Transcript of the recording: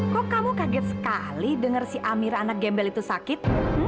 kok kamu kaget sekali dengar si amir anak gembel itu sakit